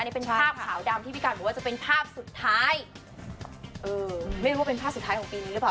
นี่เป็นภาพขาวดำที่พี่การบอกว่าจะเป็นภาพสุดท้ายเออไม่รู้ว่าเป็นภาพสุดท้ายของปีนี้หรือเปล่า